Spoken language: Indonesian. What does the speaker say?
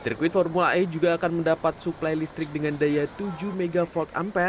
sirkuit formula e juga akan mendapat suplai listrik dengan daya tujuh mv ampere